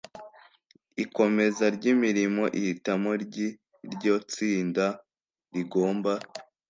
ikomeza ry imirimo ihitamo ry iryo tsinda rigomba